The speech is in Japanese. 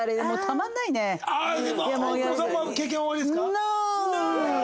大久保さんも経験おありですか？